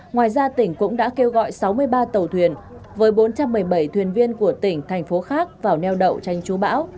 ngoài ra tỉnh cũng đã kêu gọi sáu mươi ba tàu thuyền với bốn trăm một mươi bảy thuyền viên của tỉnh thành phố khác vào neo đậu tranh chú bão